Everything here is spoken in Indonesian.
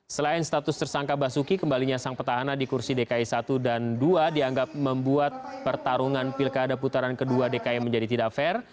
selain status tersangka basuki kembalinya sang petahana di kursi dki satu dan dua dianggap membuat pertarungan pilkada putaran kedua dki menjadi tidak fair